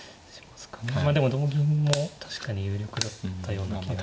まあでも同銀も確かに有力だったような気が。